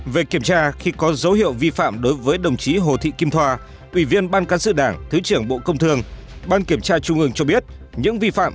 một về kiểm tra khi có dấu hiệu vi phạm đối với đồng chí hồ thị kim thoa ủy viên ban cán sự đảng thứ trưởng bộ công thương ban kiểm tra trung ương cho biết những vi phạm